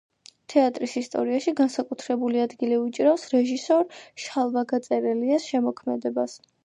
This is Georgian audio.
თეატრის ისტორიაში განსაკუთრებული ადგილი უჭირავს რეჟისორ შალვა გაწერელიას შემოქმედებას.